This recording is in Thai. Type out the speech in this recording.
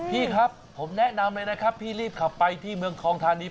พี่ครับผมแนะนำเลยนะครับพี่รีบขับไปที่เมืองทองทานี